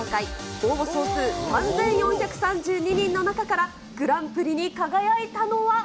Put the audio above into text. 応募総数３４３２人の中からグランプリに輝いたのは。